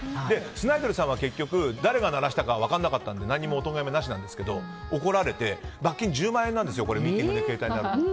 スナイデルさんは誰が鳴らしたかは分からなかったので何もおとがめなしなんですけどおとがめなしで罰金１０万円なんですよミーティングで携帯がなると。